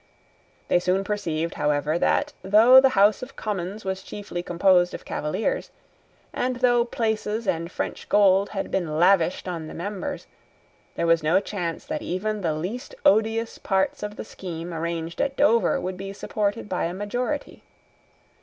They soon perceived, however, that, though the House of Commons was chiefly composed of Cavaliers, and though places and French gold had been lavished on the members, there was no chance that even the least odious parts of the scheme arranged at Dover would be supported by a majority.